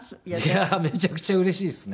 いやめちゃくちゃうれしいですね。